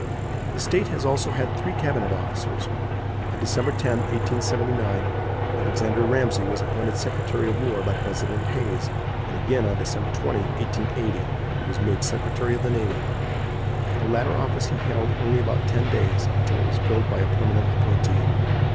The state has also had three cabinet officers. On Dec. 10, 1879, Alexander Ramsey was appointed secretary of war by President Hayes, and again on Dec. 20, 1880, he was made secretary of the navy. The latter office he held only about ten days, until it was filled by a permanent appointee.